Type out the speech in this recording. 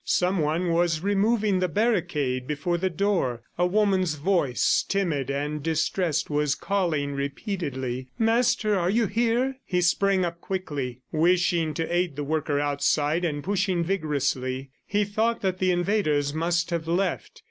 Somebody was removing the barricade before the door. A woman's voice, timid and distressed, was calling repeatedly: "Master, are you here?" He sprang up quickly, wishing to aid the worker outside, and pushing vigorously. He thought that the invaders must have left.